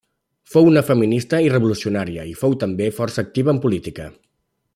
Fou una feminista i revolucionaria, i fou també força activa en política.